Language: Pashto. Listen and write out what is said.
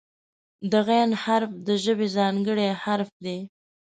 د "غ" حرف د ژبې ځانګړی حرف دی.